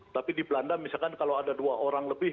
tapi di belanda misalkan kalau ada dua orang lebih